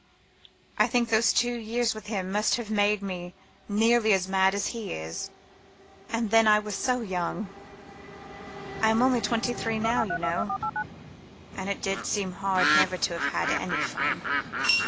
I think those two years with him must have made me nearly as mad as he is. And then I was so young! I am only twenty three now, you know and it did seem hard never to have had any fun.